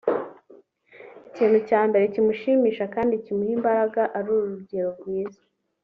ikintu cya mbere kimushimisha kandi kimuha imbaraga ari urugero rwiza